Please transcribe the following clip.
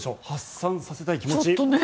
発散させたい気持ち。